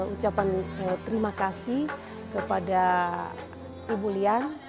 ucapan terima kasih kepada ibu lian